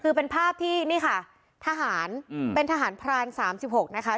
คือเป็นภาพที่นี่ค่ะทหารเป็นทหารพราน๓๖นะคะ